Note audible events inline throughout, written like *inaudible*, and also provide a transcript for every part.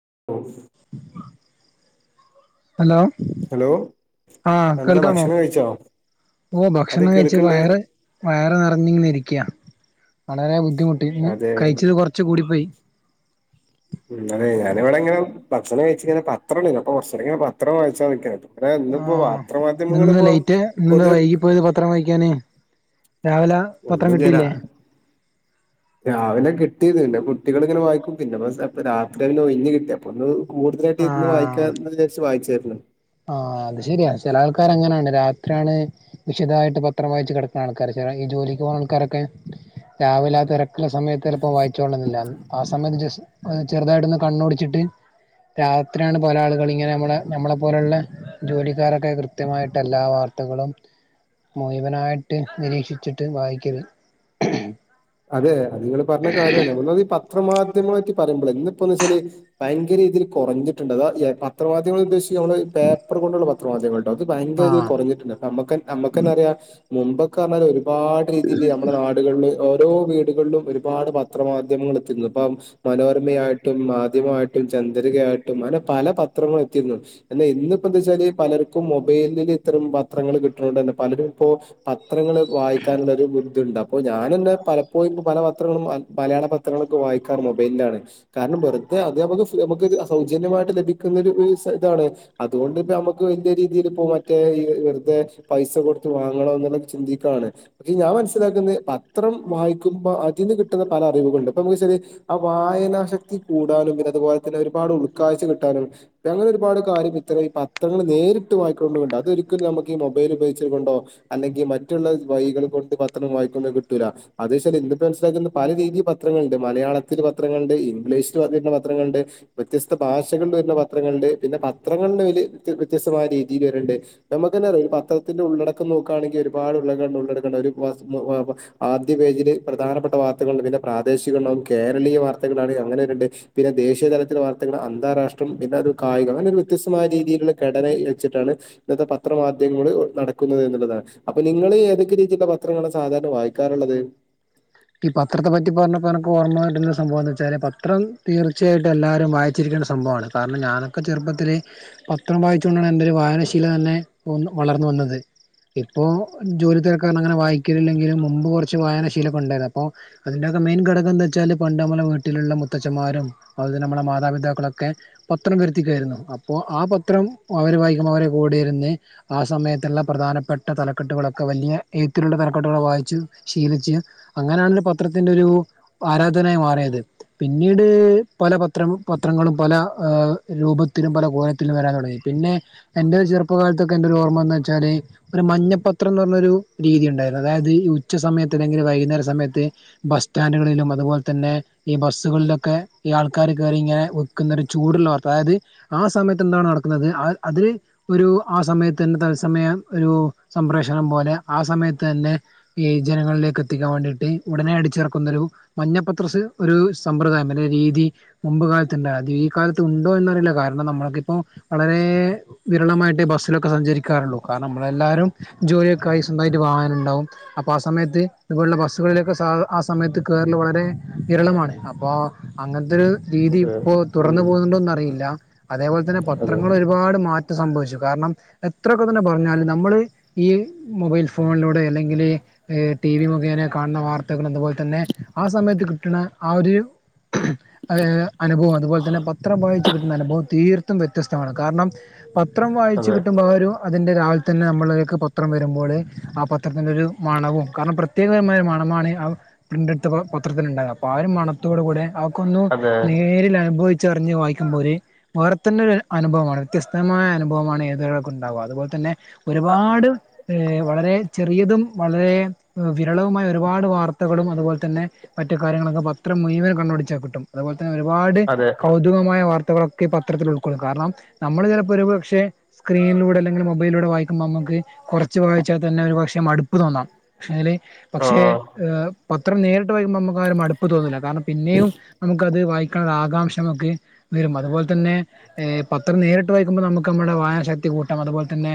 *inaudible* Hello hello ആ എന്താ കേൾക്കാമോ ഭക്ഷണം കഴിച്ചോ ഓ അത് ഭക്ഷണം കഴച്ച് കേൾക്കണ്ട് വയറ് വയറ് നിറഞ്ഞിങ്ങനെ ഇരിക്ക വളരെ ബുദ്ധിമുട്ടി ഇന്ന് അതെ കഴിച്ചത് കൊറച്ച് കൂടിപ്പോയി ഉം അതെ ഞാനിവിടെ ഇങ്ങനെ ഭക്ഷണം കഴിച്ചിങ്ങനെ പത്രണ്ടലോ അപ്പ കുറച്ചേരങ്ങന പത്രം വയിച്ചാവ്ടെ നിക്കായ്രുന്നു റേ ഇന്ന്പ്പോ വാ ആഹ് ഇന്ന് പത്രമാധ്യമങ്ങളിപ്പോ ലേറ്റ് ഇന്ന് പൊതേ വൈകിപ്പോയത് പത്രം വായിക്കാന് രാവിലെ ഒന്നു പത്രം ജര കിട്ടിയില്ലേ രാവിലെ കിട്ടിയത്ണ്ട് അ കൊ കുട്ടികളിങ്ങനെ വായിക്കും പിന്നെപ്പൊ സ രാത്രിതിങ്ങനെ ഒഴിഞ്ഞ് കിട്ടിപ്പൊ ഒന്ന് കൂടുതലായിട്ട് ഇര്ന്ന് വായിക്കാ ആഹ് ന്ന് വിചാരിച്ച് വായിച്ചാര്ന്ന് ക്കാറും അങ്ങനന്നെ രാത്രി ആണ് വിശദായിട്ട് പത്രം വായിച്ച് കിടക്കണെ ആൾക്കാര് ചെല ഈ ജോലിക്ക് പോണ ആൾക്കാരൊക്കെ രാവിലെ ആ തെരക്ക്ള്ള സമയ ത്തെലപ്പോ വായിച്ചോളണന്നില്ല ആ സമയത്ത് ജസ് ഏഹ് ചെറുതായിട്ടൊന്ന് കണ്ണോടിച്ചിട്ട് രാത്രിയാണ് പല ആളുകളിങ്ങനെ മ്മളെ നമ്മളെ പോലെള്ള ജോലിക്കാരൊക്കെ കൃത്യമായിട്ട് എല്ലാ വാർ ത്തകളും മുയുവനായിട്ട് നിരീക്ഷിച്ചിട്ട് വായിക്കല് അതെ അത് ങ്ങള് പറഞ്ഞത് കാര്യാണ് ഒന്നാമത് ഈ പത്രമാ ധ്യമങ്ങള പറ്റി പറയുമ്പോളെ ഇന്നിപ്പോന്ന് വെച്ചാല് ഭയങ്കര രീതില് കുറഞ്ഞിട്ട്ണ്ടത് അതാ ആ യെ പത്ര മാധ്യമങ്ങള് ഉദ്ദേശ് ഞമ്മള് പേപ്പർ കൊണ്ടുള്ള പത്രമാധ്യങ്ങൾ അത് ഭയങ്കര രീതില് ആഹ് കൊറഞ്ഞിട്ട്ണ്ട് പ്പ മ്മക്കൻ അമ്മ്ക്കന്നറയാം മുമ്പൊക്ക പറഞ്ഞാലെ ഒരു പാട് രീതില് നമ്മുടെ നാടുകള്ല് ഓരോ വീടുകളിലും ഒരുപാട് പത്രമാധ്യമങ്ങൾ എത്തീര്ന്നു ഇപ്പം മനോരമയായിട്ടും മാധ്യമായിട്ടും ചന്ദ്രികയായിട്ടും അങ്ങനെ പല പത്രങ്ങളും എത്തിരുന്നു എന്ന ഇന്നിപ്പോ എന്തച്ചാല് പലർക്കും മൊബൈലില് ഇത്തരം പത്രങ്ങള് കിട്ടണോണ്ടന്നെ പലരും ഇപ്പോ പത്രങ്ങള് വായിക്കാനുള്ളരു ബുദ്ധ്യുണ്ട് അപ്പോ ഞാനന്നെ പലപ്പോഴും പ്പ പല പത്രങ്ങളും ആൻ മലയാള പത്രങ്ങളൊക്ക വായിക്കാറ് മൊബൈലിലാണ് കാരണം വെറുതെ അത് നമക്ക് ഫ് നമുക്ക് ജ് അ സൗജന്യമായിട്ട് ലഭിക്കുന്ന ഒരു ഉ സ താണ് അതുകൊണ്ട് ഇപ്പ നമുക്ക് വല്യേ രീതില് പ്പോ മറ്റേ ഈ വെ വെറുതെ പൈസ കൊടുത്ത് വാങ്ങണോ ന്ന്ള്ളത് ചിന്തിക്കാണ് പക്ഷെ ഞാൻ മനസ്സിലാക്കുന്നത് പ ത്രം വായിക്കുമ്പ അതിന് കിട്ടുന്ന പല അറിവുകളുണ്ട് പ്പൊ മുക്ക് ശരി ആ വായനാശക്തി കൂടാനും പിന്നെ അതുപോലെ തന്നെ ഒരുപാട് ഉൾക്കാഴ്ച കിട്ടാനും അങ്ങനെ ഒരുപാട് കാര്യം ഇത്രേം ഈ പത്രങ്ങള് നേരിട്ട് വായിക്കണോണ്ട് ഉ അതൊരിക്കലും നമുക്ക് ഈ മൊബൈല് ഉപയോഗിച്ചത് കൊണ്ടോ അല്ലെങ്കി മറ്റുള്ള വയികള് കൊണ്ട് പത്രം വായിക്കുന്ന റ്റൂല അത്ശാല് ഇന്ന്പ്പ *unintelligible* പല രീതി പത്രങ്ങള്ണ്ട് മലയാളത്തില് പത്രങ്ങള്ണ്ട് ഇംഗ്ലീഷില് പറഞ്ഞിരിക്കണ പത്ര ങ്ങള്ണ്ട് വ്യത്യസ്ത ഭാഷകളല് വരുന്ന പത്രങ്ങള്ണ്ട് പിന്നെ പത്രങ്ങളന്നെ അതില് വ്യത്യ വ്യത്യസ്തമായ രീതില് വരെ ണ്ട് നമുക്കന്നെ ഈ പത്രത്തിന്റെ ഉള്ളടക്കം നോക്കണെങ്കി ഒരുപാട് ഉള്ള *unintelligible* ഉള്ളടക്കണ്ട് അവര് വസ് മ വ പ ആദ്യ പേജില് പ്രധാനപ്പെട്ട വാർത്തകളുണ്ട് പിന്നെ പ്രാദേശികണ്ടാവും കേരളീയ വാർത്തകളാണേ അങ്ങനെ വര്ണ്ട് പിന്നെ ദേ ദേശീയതലത്തിലെ വാർത്തകള് അന്താരാഷ്ട്രം പിന്നെ ഒരു കായികം അങ്ങനെ ഒരു വ്യത്യസ്തമായ രീതിയിലുള്ള ഘടനയ് വെച്ചിട്ടാണ് ഇന്നത്തെ പത്രമാധ്യമങ്ങൾ നടക്കുന്നത് എന്നുള്ളതാണ് അപ്പൊ നിങ്ങള് ഏതൊക്കെ രീതിയിലുള്ള പത്രങ്ങളാ സാധാരണ വായി ക്കാറുള്ളത് ഈ പത്രത്തെ പറ്റി പറഞ്ഞപ്പോ എനക്ക് ഓർമ്മകിട്ടുന്ന സംഭവം എന്താച്ചാല് പത്രം തീർച്ചയായിട്ടും എല്ലാരും വായിച്ചിരി ക്കേണ്ട സംഭവമാണ് കാരണം ഞാനൊക്കെ ചെറുപ്പത്തില് പത്രം വായിച്ചുകൊണ്ടാണ് എന്റെ ഒരു വായനശീല തന്നെ ഒന്ന് വള ളർന്നു വന്നത് ഇപ്പോ ജോലിതെരക്ക് കാരണം അങ്ങനെ വായിക്കലില്ലെങ്കിലും മുമ്പ് കുറച്ച് വായനശീലൊക്ക ഉണ്ടായിരുന്ന പ്പോ അതിന്റൊക്ക മെയിൻ ഘടകന്തച്ചാല് പണ്ടമ്മലെ വീട്ടില്ള്ള മുത്തച്ഛമാരും അതത് നമ്മടെ മാപിതാക്കളൊ ക്കെ പത്രം വരുത്തിക്കു ആയിരുന്നു അപ്പോ ആ പത്രം അവര് വായിക്കുമ്പോ അവരെ കൂടെരുന്ന് ആ സമ യത്ത്ള്ള പ്രധാനപ്പെട്ട തലക്കെട്ടുകളൊക്ക വല്യയ എഴ്ത്തിലുള്ള തലക്കെട്ടുകള് വായിച്ച് ശീലിച്ച് അങ്ങനാണല്ലോ പത്രത്തിന്റെ ഒരു ആരാധകനായി മാറിയത് പിന്നീട് പല പത്രം പത്ര ങ്ങളും പല ഏ രൂപത്തിലും പല കോലത്തിലും വരാൻ തൊടങ്ങി പിന്നെ എന്റെ ഒര് ചെറുപ്പകാലത്തൊക്ക എന്റെ ഒരു ഓർ മ്മന്ന്ച്ചാല് ഒരു മഞ്ഞപ്പത്രം ന്ന്റഞ്ഞ ഒരു രീതി ഉണ്ടായിരുന്നു അതായത് ഈ ഉച്ച സമയത്ത് അല്ലെങ്കില് വൈകുന്നേര സമയത്ത് ബസ് സ്റ്റാൻഡുകളിലും അതുപോലെ തന്നെ ഈ ബസ്സുകളിലൊക്കെ ഈ ആൾക്കാര് കേറിങ്ങനെ ഒ ക്ക്ന്നര് ചൂടുള്ള വാർത്ത അതായത് ആ സമയത്ത് എന്താണ് നടക്കുന്നത് ആ അത് ഒരു ആ സമയത്ത് എന്ത തത്സമയം ഒരു സംപ്രേഷണം പോലെ ആ സമയത്ത്ന്നെ ഈ ജനങ്ങളിലേക്ക് എത്തിക്കാൻ വേണ്ടി ഈ ഉടനെ അടിച്ചിറക്കുന്നൊരു മഞ്ഞ പത്ര സ് ഒരു സമ്പ്രദായം അല്ലെ രീതി മുമ്പ് കാലത്ത് ഇണ്ടാ അത് ഈ കാലത്ത് ഉണ്ടോ എന്നറിയില്ല കാരണം നമ്മൾക്കിപ്പോ വളരെ വിരളമായിട്ട് ബസ്സിലൊക്കെ സഞ്ചരിക്കാറ നമ്മെല്ലാരും ജോലിയക്ക സ്വന്തമായിട്ട് വാാന ഉണ്ടാവും അപ്പൊ ആ സമയത്ത്ലുള്ള ബസ് ുകളിലൊക്കെ ആ സമയത്ത് കേരള വളരെ ഇരളമാണ് അപ്പോൾ അങ്ങനത്തെരു രീതി അതെ ഇപ്പോ ഉം തുറന്നു പോകുന്നുണ്ടോന്ന് അറിയില്ല അതേപോലെ തന്നെ പത്രങ്ങൾ ഒരുപാട് മാറ്റ സംഭവിച്ചു കാരണം എത്രയൊക്കെ തന്നെ പറഞ്ഞാലും നമ്മൾ ഈ മൊബൈൽ ഫോണിലൂടെ അല്ലെങ്കിൽ ടി വി മുഖേന കാണുന്ന വാർത്തകൾ അതുപോലെ തന്നെ ആ സമയത്ത് കിട്ടുന്ന ആ ഒരു അനുഭം അതുപോലെ തന്നെ പത്രം വായിച്ച്ു കിട്ടുന്ന അനുഭവം തീർ വ്യത്യസ്തമാണ് കാരണം പത്രം വായിച്ചു അതെ കിട്ടുമ്പോൾ ഒരു അതിൻ്റെ രാവിലെ തന്നെ നമ്മളക്ക്െ പത്രം വരുമ്പോൾ ആ പത്രത്തിൻന്റെറെ ഒരു മണവും കാരണം പ്രത്യേകരമായ മണമാണ് പ്രിന്റ് എടുത്ത പത്രത്തി ഉണ്ടായത് അപ്പൊ ആ ഒരു മണത്തോടു കൂടെ അതെ അതെ നേരിൽ അനുഭവ ചെറിഞ് വായിക്കുമ്പോൾ ഒരു വേറെ തന്നെ ഒരു അനുഭവമാണ് വ്യത്യസ്തമായ അനുഭവമാണ് ഏതവരൊക്കെ ഉണ്ടാാവുക അതുപോലെ തന്നെ ഒരുപാട് ഏ വളരെ ചെറിയതും വളരെ വിരളവുമായ ഒരുപാട് വാർത്തകളും അതുപോലെന്നെ മറ്റു കാര്യങ്ങളൊക്കെ പത്രം മുഴുവൻ കണുടിച്ചാൽിട്ടും അതുപോലെ ഒരുപാട് അതെ കൗതുകമായ വാർത്ത ൊക്കെ പത്രത്തിൽ ഉൾക്കള്ളുന്നു കാരണം നമ്മള് ചിലപ്പോ ഒരു പക്ഷെ സ്ക്രീനിലൂടെ അല്ലെങ്കിൽ മൊബൈലിലൂടെ വായിക്ക്പോ നക്ക് നമക്ക് കുറച്ച് വായിച്ചാൽ തന്നെ ഒരു പക്ഷെ മടുപ്പ് തോന്നാം പക്ഷെ അതിൽ ഓ പക്ഷേ പത്ര നേരിട്ട് വായിക്കുമ്പോൾ നമുക്ക് ആരും അടുപ്പ് തോന്നുന്നില്ല കാരണം പിന്നെയും നമുക്ക്ത് വായി ആാംക്ഷമൊക്കെ വരും അതുപോലെ തന്നെ പത്രം നേരിട്ട് വായിക്കുമ്പോൾ നമുക്ക് നമ്മുടെ വായന ശക്തി കൂട്ടം അതുപോലെ തെ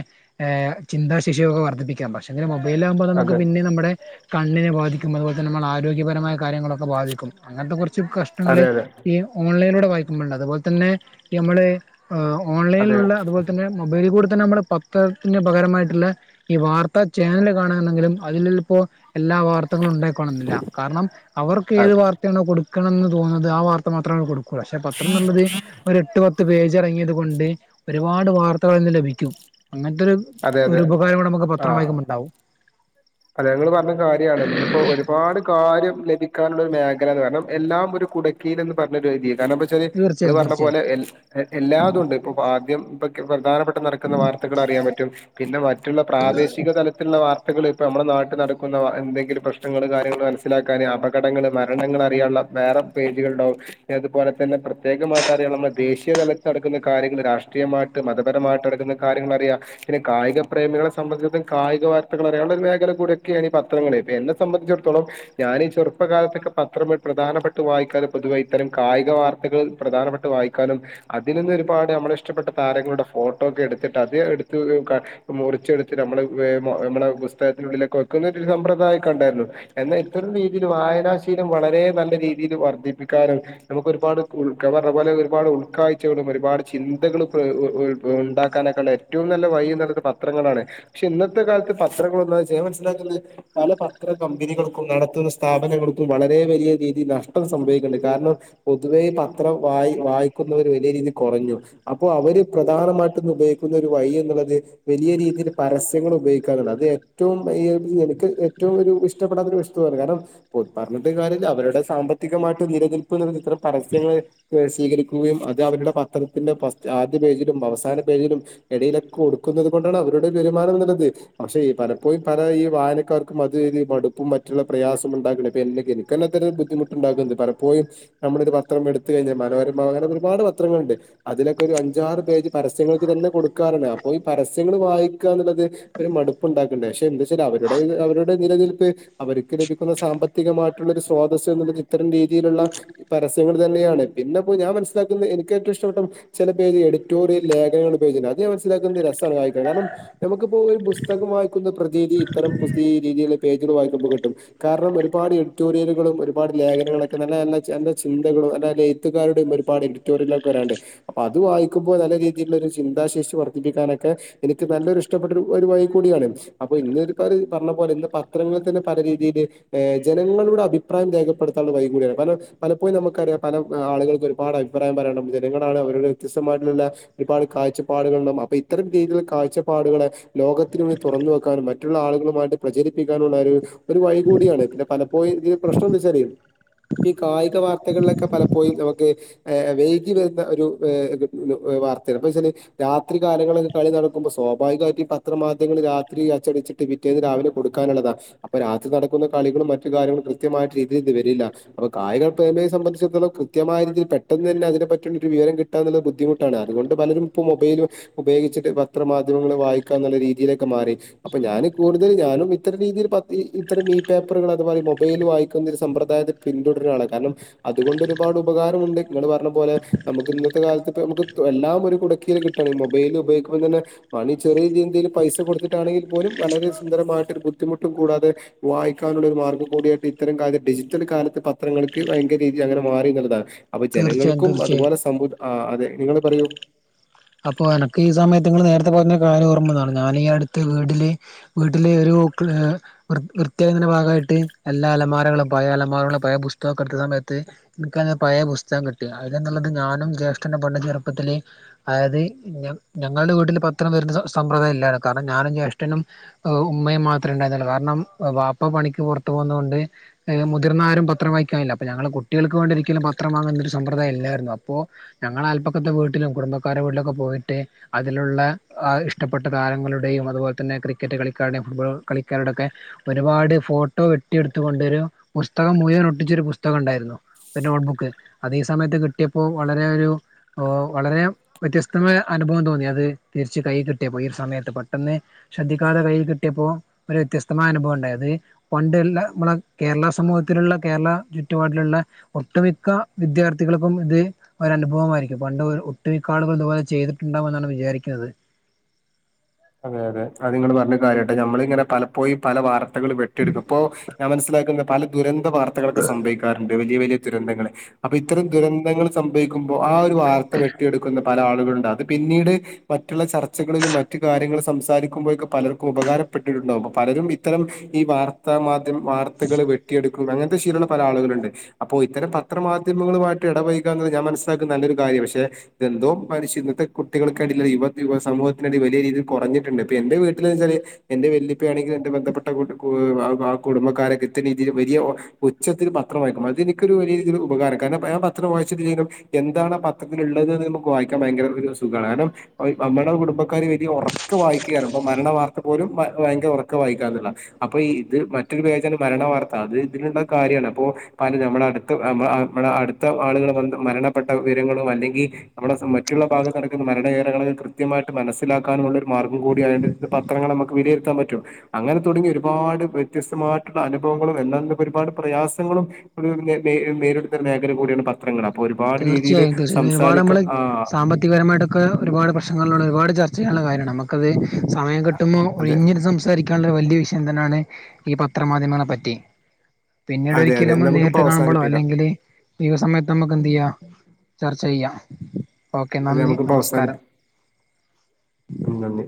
ചിന്താശിശയൊക്ക വർധിപ്പിക്കാം പക്ഷെെ മെയിലാകുമ്പോ നമുക്ക് അതെ അതെ പിന്നെ നമ്മുടെ കണ്ണിനെ ബാധും അതുപോലെ തന്നെ നമ്മ ആരോഗ്യപരമായ കാര്യങ്ങളൊക്കെ ബാധിക്കും അങ്ങനത്തെ കുറച്ച് കു കഷ്ടണങ്ങള് അതെ ഈ ഓൺലൈനിലൂടെ വായിക്കുമ്പോഴണ്ട് അതുപോലെ തന്നെ നമ്മള് അതെ ഓൺലൈനിലുള്ള അതുപോലെ തന്നെൊബൈൽൂ ഇ നമ്മള് പത്രത്തിന്റെ പകരമായിട്ടുള്ള ഈ വാർത്താ ചാനല് കാണയാണെങ്കിലും അതില ഇപ്പോ എല്ലാ വാർത്തകളും ഉണ്ടായിക്കോവാണെന്നില്ല കാരണം അവർക്ക് അതെ ഏത് വാർത്തയാണോ കൊടു നിക്കണെന്ന് തോന്നുന്നത് ആ വാർത്ത മാത്രമാണ് കൊക്കും കുശേ പത്രം എന്നുള്ളത് ഒരു എട്ട് പത്ത് പേജ് ഇറങ്ങിയത് കൊണ്ട് ഒരുപാട് വാർത്തകൾ ഇന്ന് ലഭിക്കും അങ്ങനത്തെ ഒരു അതെ ഒരു അതെ ഉപകാരം കൂടെ നമുക്ക് പത്രം വൈക്കുമ്പോ ഉണ്ടാവും അ ഞങ്ങള്ൾ പറഞ്ഞ കാര്യമാണ് ഇന്നിപ്പോ ഒരുപാട് കാര്യം ലഭിക്കാനുള്ള ഒരു മേഖലയന്ന് പറഞ്ഞണം എല്ലാം ഒരു കുടക്കിയിൽന്ന് പറഞ്ഞ ഒരു രീതിൽ ച്ചരി ഇമ്മള് തീർച്ചയായും പറഞ്ഞ തീർച്ചയായും പോലെ എല്ലാതും ഉണ്ട് ഇപ്പൊ ആദ്യം ഇൊ പ്രധാനപ്പെട്ട നടക്കുന്ന വാർത്തകൾ അറിയാൻ പറ്റും പിന്നെ മറ്റുള്ള പ്രാദേശിക തലത്തിലുള്ള വാർത്തകൾ നമ്മുടെ നാട്ടിൽ നടക്കുന്ന എന്തെ പ്രശ്നങ്ങ കാര്യങ്ങൾ മനസ്സിലാക്കാാന് അപകടങ്ങൾ മരണങ്ങൾ അറിയാനുള്ള വേറെ പേജുകള ഉണ്ടാവും അതുപോലെ തന്ന പ്രത്യേമായിട്ട അറിയ നമ്മ ദേശീയതലത്തി നടക്കുന്ന കാര്യൾ രാഷ്രീയമായിട്ട് മതരമായിട്ട്ക്കുന്ന കാര്യങ്ങൾ അറിയ പിന്നെ കായിക പ്രേമികളെ സംബന്ധിം കായിക വർത്തകൾ അറിയ മേഖല കൂടൊക്കെയാണ് ഈ പത്രങ്ങള എന്നെ സംബന്ധിച്ചിടത്തോളം ഞാ ഈ ചെറുപ്പകാലത്തൊക്കെ പത്ര പ്രധാനപ്പെട്ട വായിക്കാനും പൊതുവെ ഇത്തരം കായിക വാർത്തകൾ പ്രധാനപ്പെട്ട് വായിക്കാനും അതി നിന്ന് ഒരുപാട് നമ്മള ഇഷ്ടപ്പെട്ട താരങ്ങളുടെ ഫോട്ടോ ഒക്കെ എടുത്തിട്ട് അത് എടുത്ത് മുറിച്ചെടുത്ത് നമ്മൾ ഞമ്മളെ ുള്ള കൊയ്ക്കുന്ന സമ്പ്രദായംൊക്കെ ഉണ്ടായിരുന്നു എന്നൽ ഇത്തരം രീതിയിൽ വായനാശീലം വളരെ നല്ല രീതി വർധിപ്പിക്കാനും നമുക്ക ഒരുപാട് ഉൾ പോലെ ഒരുപാട് ഉൾക്കാഴ്ചകളും ഒരുപാട് ചിന്തകളും ഉണ്ടാക്കാനൊക്കെ ഉള്ള ഏറ്റവും നല്ല വഴിയ നല്ലത് പത്രങ്ങളാണ് പക്ഷെ ഇന്നത്തെ കാലത്ത് പന്നാൻ മനസ്സിലാക്കുന്നത് പല പത്ര കമ്പനികൾക്കും നടത്തുന്ന സ്ഥാപനങ്ങൾക്കും വളരെ വലിയീതി നഷ്ടം സംഭവിക്കുന്നുണ്ട് കാരണം പൊതുവേ പത്രം വായി വായിക്കുന്നവർ വലിയ രീതി കുറഞ്ഞു അപ്പോൾ അവര് പ്രധാനമായിട്ട ഇന്ന് ഉപയോഗിക്കുന്ന ഒരു വഴി എന്നുള്ളത് വലിയ രീതിയിൽ പരസ്യങ്ങൾ ഉപയോഗിക്കാാനുള്ള ഏറ്റവും എനിക്ക് ഏറ്റവും ഇഷ്ടപ്പെടാത്തൊ ഒരു വസ്തുാണ് കാരണം പറഞ്ഞിട്ട കാര്യ അവരുടെ സാമ്പത്തികമായിട്ട് നിലനിൽപ്പുന്ന ചിത്രം പരസ്യങ്ങൾ സ്വീകരിക്കുകയും അത് അവരുടെ പത്രത്തിന്റെ ആദ്യ പേജിലും അവസാന പേജിലും ഇടയിലൊക്കെ കൊടുക്കുന്നത് കൊണ്ടാണ് അവരുടെ ഒരു വരുമാനം നല്ലത് പക്ഷേ ഈ പലപ്പോഴും പല ഈ വായനക്കാർക്കും അതു ഇതു മടുപ്പും മറ്റുള്ള പ്രയാസവും ഉണ്ടാക്കണെ ഇപ്പൊ എനിക്ക് തന്നെ ബുദ്ധിമുട്ട്ണ്ടാക്കുന്നുണ്ട് പലപ്പോഴും നമ്മള് ഒരു പത്രം എടുത്ത് കഴിഞ്ഞാൽ മനോരമ അങ്ങനെ ഒരുപാട് പത്രങ്ങളുണ്ട് അതിലൊക്കെ ഒരു അഞ്ചാറ് പേജ് പരസ്യങ്ങൾക്ക് തന്നെ കൊടുക്കാറാണ് അപ്പൊ ഈ പരസ്യങ്ങൾ വായിക്കുക എന്നുള്ളത് ഒരു മടുപ്പു ഉണ്ടാക്കുണ്ട് പക്ഷെ എന്താ വച്ചാൽ അവരുടെ അവരുടെ നിലനിൽപ്പ് അവർക്ക് ലഭിക്കുന്ന സാമ്പത്തികമായിട്ടുള്ള സ്രോതസ് എന്നുള്ളത് ഇത്തരം രീതിയിലുള്ള പരസ്യങ്ങൾ തന്നെയാണ് പിന്നെപ്പോ ഞാൻ മനസ്സിലാക്കുന്നത് എനിക്ക് ഏറ്റവും ഇഷ്ടപ്പെട്ട ചില പേജ് എഡിറ്റോറിയൽ ലേഖകൾ പേജണ്ട് അത് ഞാൻ മനസ്സിലാക്കുന്ന രസമാണ് വായിക്കണം കാരണം നമുക്കിപ്പോ ഒരു പുസ്തകം വായിക്കുന്ന പ്രതീതി ഇത്തരം പുസ്ക രീതിയില പേജുകൾ വായിക്കുമ്പോൾ കിട്ടും കാരണം ഒരുപാട് എഡിറ്റോറിയൽ ഒരുപാട് ലേഖനങ്ങളൊക്കെ നല്ല നല്ല ചിന്തകളും അല്ലല്ല എഴുത്തുകാരുടെയും ഒരുപാട് എഡിറ്റോറിയൽ ഒക്കെ വരാണ്ട് അപ്പൊ അത് വായിക്കുമ്പോ നല്ല രീതിയിലുള്ള ഒരു ചിന്താശേഷി വർദ്ധിപ്പിക്കാനൊക്കെ എനിക്ക് നല്ലൊരു ഇഷ്ടപ്പെട്ട ഒരു വായി കൂടിയാണ് അപ്പൊ ഇന്ന് പറഞ്ഞ പോലെ ഇ പത്രങ്ങളിൽ തന്നെ പല രീതിയിൽ ജനങ്ങളു അഭിപ്രായം രേഖപ്പെടുത്താനുള്ള വഴിയും കൂടിയാണ്. പല പലപ്പോഴും നമുക്കറിയ പല ആളുകൾക്ക് ഒരുപാട് അഭിപ്രായം പറയണം. ജനങ്ങളാണ് വ്യത്യസ്തമായിട്ടുള്ള ഒരുപാട് കാഴ്ചപ്പാടുണ്ടും അപ്പൊ ഇത്തരം രീതിയിലുള്ള കാഴ്ചപ്പാടുകളെ ലോക തുറന്ന് വെക്കാനും മറ്റുള്ള ആളുകളുമായിട്ട് പ്രചരിപ്പിക്കാനുള്ള ഒരു വഴി കൂടിയാണ് പിന്നെ പലപ്പോഴും ഇ *unintelligible* ഈ കായിക വാർത്തകളിലൊക്കെ പലപ്പോഴും നമുക്ക് വൈകി വരുന്ന ഒരു വാർതെണ്. പിന്തയച്ചാല് രാത്രികാലങ്ങളൊക്കെ കളി നടക്കുമ്പോ സ്വാഭാവികമായിട്ട് പത്രമാ രാത്രി അച്ചടിച്ചിട്ട് പിറ്റേന്ന് രാവിലെ കൊടുക്കാനുള്ളതാണ്. അപ്പൊ രാത്രി നടക്കുന്ന കളികളും മറ്റു കാര്യങ്ങളും കൃത്യമായി രീതിൽ വരില്ല അപ്പൊ കായികപ്രേമിയെ സംബന്ധിച്ചിടത്തോളം കൃത്യമായ രീതിൽ പെട്ടെന്ന് തന്നെ അങ്ങനെ പറ്റുന്ന ഒരു വിവരം കിട്ടാന്നുള്ളത് ബുദ്ധിമുട്ടാണ്. അതൊണ്ട് പലരും ഇപ്പോ മൊബൈലു ഉപോഗിച്ചിട്ട് പത്ര മാധ്യമങ്ങളെ വായിക്കാ എന്നുള്ള രീതി ക്കെ മാറി അപ്പൊ ഞാൻ കൂടു ഞാനും ഇത്തര രീതിയിൽ ഇത്തരം ഈ പേപ്പറുകൾ അതുപോലെ മൊബൈൽ വായിക്കുന്ന ഒരു സമ്പ്രദായത്തെ പിന്തുടരാ കാരണം അതുകൊണ്ട് ഒരുപാട് ഉപകാരമുണ്ട്. ഇങ്ങളു പറഞ്ഞ പോലെ നമുക്ക് ഇന്നത്തെ കാലത്ത് നമുക്ക് എല്ലാം ഒരു കുടക്കിയിൽ കിട്ടാണ് മൊബൈൽ ഉപയോഗുമ്പോ തന്നെ പണി ചെറിയ രിതി എന്തെ പൈസ കൊടുത്തിട്ടാണെങ്കിൽ പോലും വളരെ സുന്ദരമായിട്ട് ഒരു ബുദ്ധിമുട്ടും കൂടാതെ വായിക്കാനുള്ളരു മാർഗം കൂടിയായിട്ട് ഇത്തരം കാര്യം ഡിജിറ്റൽ കാലത്ത് പത്രങ്ങൾക്ക് ഭയങ്കര രീതി, അങ്ങനെ മാറി എന്നുള്ളതാണ്. അപ്പൊ തീർച്ചയായും ജനങ്ങൾക്കും തീർച്ചയായും അതുപോലെ സമു അതെ നിങ്ങള് പറയു. അപ്പൊ എനക്ക് ഈ സമയത്ത് നിങ്ങള് നേരത്തെ പറഞ്ഞ കാര്യം ഓർമ്മാവാന്നണ്. ഞാൻ ഈ അടുത്ത് വീട്ടില് വീട്ടില് ഒരു *unintelligible* വൃത്തിയാക്കുന്ന ഭാഗമായിട്ട് എല്ലാ അലമാരകളും പഴയ അലമാരകളും പഴയ പുസ്തക *unintelligible* ത്ത് എനിക്കാന്നെ പഴെ പുസ്തകം കിട്ടി. അതിലെന്താ ഉള്ളത്, ഞാനും ജ്യേഷ്ഠനു പണ്ട് ചെറുപ്പത്തില് അതായത് ഞ ഞങ്ങളുടെ വീട്ടിൽ പത്രം വരുത്തുന്ന സമ്പ്രദായം ഇല്ലാ. കാരണം ഞാനും ജ്യേഷ്ഠനും ഉ ഉമ്മയും മാത്ര ഉണ്ടായിന്നുള്ളൂ. കാരണം വാപ്പ പണിക്ക് പുറത്തു പോകുന്നത് കൊണ്ട് മുതിർന്ന ആരും പത്രം വായിക്കാൻല്ല. ഞങ്ങള് കുട്ടികൾക്ക് വേണ്ടിയിരിക്കലും പത്രം വാങ്ങുന്ന ഒരു സമ്പ്രദായ ഇല്ലായിരുന്നു. അപ്പോ ഞങ്ങളുടെ അല്പ്പക്കത്തെ വീട്ടില് കുടുംബ ക്കാരുടെ വീട്ടിലൊക്കെ പോയിട്ട് അതിലുള്ള ഇഷ്ടപ്പെട്ട താരങ്ങളുടെയും, അതുപോലെ തന്നെ ക്രിക്കറ്റ് കളിക്കാരുടെയും, ഫുട്ബോൾ കളിക്കാരോടൊക്കെ ഒരുപാട് ഫോട്ടോ വെട്ടിയെടുത്തുകൊണ്ട് ഒരു പുസ്തകം മുഴുവൻ ഒട്ടിച്ച് ഒരു പുസ് ത്തകം ഉണ്ടായിരുന്നു. ഒരു നോട്ട്ബുക്ക്. അത് ഈ സമയത്ത് കിട്ടിയപ്പോൾ വളരെ ഒരു വളരെ വ്യത്യസ്തമായ അനുഭവം തോന്നി, അത് തിരിച്ച് കൈ കിട്ടിയപ്പോ ഈ ഒരു സമയത്ത് പെട്ടെന്ന് ശ്രദ്ധിക്കാതെ കൈയിൽ കിട്ടി ഇപ്പോ ഒരു വ്യത്യസ്തമായ അനുഭവം ഉണ്ടായത്. പണ്ട്ല്ലാ കേരള സമൂഹത്തിലുള്ള കേരള ചുറ്റുപാടിലുള്ള ഒട്ടുമിക്ക വിദ്യാർത്ഥികൾക്കും ഇത് ഒരനുഭവമായിരിക്കും. പണ്ട് ഒട്ടുമിക്ക ആളുകളും ഇതുപോലെ ചെയ്തിട്ടുണ്ടാവുമെന്നാണ് വിചാരിക്കുന്നത്. അതെ അതെ അതിങ്ങള് പറഞ്ഞ കാര്യാട്ടെ. നമ്മളിങ്ങനെ പലപ്പോയും പല വാർ ത്തകൾ വെട്ടിട്ടെടുക്കും. ഇപ്പോ ഞാൻ മനസ്സിലാക്കുന്ന പല ദുരന്ത വാർത്തകൾക്കെ സംഭവിക്കാറുണ്ട്. വലിയ വലിയ ദുരന്തങ്ങൾ. അപ്പൊ ഇത്തരം ദുരന്തങ്ങൾ സംഭവിക്കുമ്പോ ആ ഒരു വാർത്ത വെട്ടിയെടുക്കുന്ന പല ആള് കളുണ്ട്‌. അത് പിന്നീട് മറ്റുള്ള ചർച്ചകളിലും മറ്റ് കാര്യങ്ങൾ സംസാരിക്കുമ്പോഴൊക്കെ പലർക്കും ഉപകാരപ്പെട്ടിട്ടുണ്ടാകും. അപ്പൊ പലരും ഇത്തരം ഈ വാർത്താമാധ്യമ വാർത്തകള് വെട്ടിയെടു അങ്ങനത്തെ ശീലമുള്ള പല ആളുകളുണ്ട്. അപ്പോ ഇത്തരം പത്രമാധ്യമങ്ങളുമായിട്ട് ഇടപയിക ഞാൻ മനസ്സിലാക്കുന്ന നല്ലൊരു കാര്യ ണ്. പക്ഷെ ഇതെന്തോ മനുഷ്യ ഇന്നത്തെ കുട്ടികൾക്ക് അടി യുവ യുവ സമൂഹത്തിൽ വലിയ രീതിൽ കുറഞ്ഞിട്ടുണ്ട്. പ്പ എന്റെ വീട്ടിൽ വെച്ചാല് എന്റെ വല്യപ്പ ആണെങ്കിൽ എന്റ ബന്ധപ്പെട്ട കു കുടുംബക്കാരൊക്കെ രീതിയിൽ വലിയ ഒച്ചത്തിൽ പത്രം വായിക്കും. അത് എനിക്കൊരു വലിയ രീതിയിൽ ഉപകാരം. കാരണം പത്രം വായിച്ചിട്ടില്ലെങ്കിലും എന്താണ് ആ പത്രത്തിലുള്ളത് നമുക്ക് വായിക്കാൻ ഭയങ്കര സുഖമാണ്. കാരണം നമ്മട കുടുബക്കാര് വലിയ ഒറ ക്ക വായിക്കയാണ് അപ്പോ മരണ വാർത്ത പോലും വയങ്കര ഉറക്ക വായിക്കാന്നുള്ള അപ്പൊ ഈ ഇത് മറ്റൊരു പേജാണ് മരണ വാർത്ത അത് ഇതിലുള്ള കാര്യണ് അപ്പോ പല നമ്മടെ അടുമ്മ അടുത്ത *unintelligible* ആളുകൾ വന്നട്ട് മരണ പ്പെട്ട വിവരങ്ങളോ അല്ലെങ്കിൽ നമ്മുടെ മറ്റുള്ള ഭാഗത്ത് നടക്കുന്ന മരണകാര്യങ്ങൾ കൃത്യമായിട്ട് മനസിലാക്കാനുള്ള ഒരു മാർഗം കൂടി അയിലിണ്ട് പത്രങ്ങൾ നമുക്ക് വിലയിരുത്താൻ പറ്റും അങ്ങനെ തുടങ്ങി ഒരുപാട് വ്യത്യസ്തമായിട്ടുള്ള അനുഭവം വങ്ങളും എല്ലാം ഒരുപാട് പ്രയാസങ്ങളും *unintelligible* നേരിടുന്ന മേഖല കൂടിയാണ് പത്രങ്ങള് തീർച്ചയായും തീർച്ചയായും ഒരുപാട് നമ്മള് ആ സാമ്പത്തികപരമായിട്ടൊക്കെ ഒരുപാട് പ്രശ്നങ്ങള് ള്ള ഒരുപാട് ചർ ചെയ്യാനുള്ള കാര്യമാണ് നമുക്കത് സമയം കിട്ടുമ്പോ അതെ ഒഴിഞ്ഞിരുന്ന് സംസാരിക്കാ ള്ള വലിയ വിഷയം തന്നെയാണ് ഈ പത്രമാധ്യമങ്ങളെ പറ്റി പിന്നീട് അതെ ഒരിക്കല് അതെ നമ്മ നമുക്കിപ്പോ നേരിട്ട് കാണുമ്പളോ അവസാനിപ്പിക്കാം അല്ലെങ്കില് ഈ സമയത്ത് നമുക്ക് എന്തെയ്യ ചർച്ച ചെയ്യാം ഓക്കെ അതെ നന്ദി നമുക്കിപ്പോ നമസ്കാരം അവസാനിപ്പിക്കാം നന്ദി